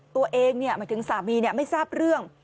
หมายถึงสามีไม่ทราบเรื่อง